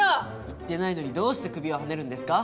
言ってないのにどうして首をはねるんですか？